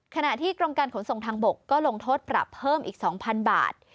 ขณะที่กรมการขนส่งทางบกก็ลงโทษปรับเพิ่มอีก๒๐๐๐บาท